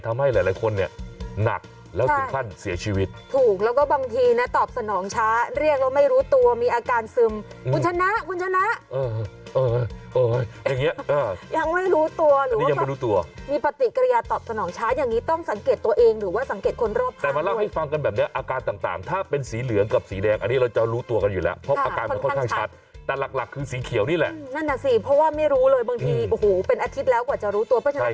คุณชนะคุณชนะอย่างเงี้ยยังไม่รู้ตัวหรือว่าก็มีปฏิกิริยาตอบสนองช้าอย่างงี้ต้องสังเกตตัวเองหรือว่าสังเกตคนรอบภาพด้วยแต่มาเล่าให้ฟังกันแบบเนี้ยอาการต่างถ้าเป็นสีเหลืองกับสีแดงอันนี้เราจะรู้ตัวกันอยู่แล้วเพราะอาการมันค่อนข้างชัดแต่หลักคือสีเขียวนี่แหละนั่นน่ะสิเพราะว่า